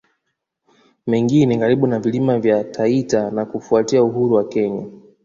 Mengine karibu na Vilima vya Taita na Kufuatia uhuru wa Kenya